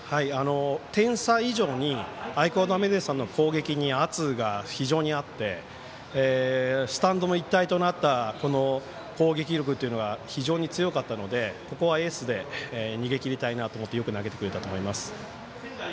点差以上に愛工大名電さんの攻撃に圧が非常にあって、スタンドも一体となった攻撃力というのが非常に強かったのでここはエースで逃げきりたいなと思ってよく投げてくれたと思います。